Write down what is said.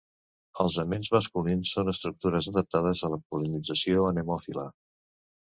Els aments masculins són estructures adaptades a la pol·linització anemòfila.